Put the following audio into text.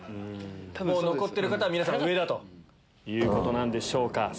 もう残ってる方は皆さん上だということなんでしょうか。